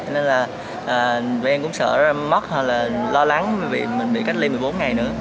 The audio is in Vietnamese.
nên là tụi em cũng sợ mất hoặc là lo lắng vì mình bị cách ly một mươi bốn ngày nữa